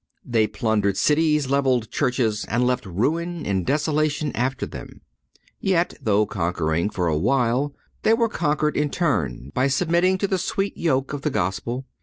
They plundered cities, leveled churches and left ruin and desolation after them. Yet, though conquering for awhile, they were conquered in turn by submitting to the sweet yoke of the Gospel.